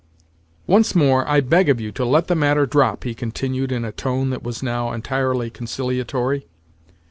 "Once more I beg of you to let the matter drop," he continued in a tone that was now entirely conciliatory.